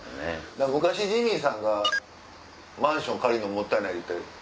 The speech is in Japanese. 昔ジミーさんがマンション借りるのもったいないって。